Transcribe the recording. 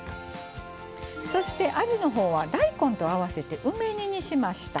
そしてあじのほうは大根と合わせて梅煮にしました。